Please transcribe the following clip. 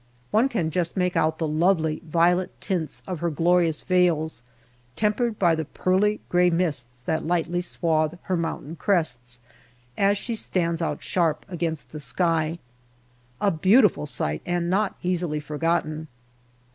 One can just make out the lovely violet tints of her glorious vales, tempered by the pearly grey mists that lightly swathe her mountain crests, as she stands out sharp against the sky. A beautiful sight and not easily forgotten.